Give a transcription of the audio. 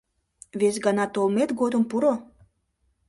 Вес гана толмет годым пуро.